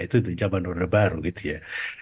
itu di zaman orde baru gitu ya